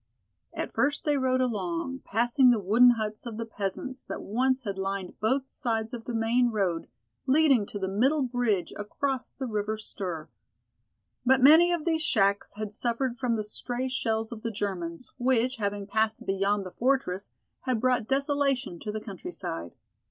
At first they rode along, passing the wooden huts of the peasants that once had lined both sides of the main road leading to the middle bridge across the river Styr. But many of these shacks had suffered from the stray shells of the Germans, which, having passed beyond the fortress, had brought desolation to the country side.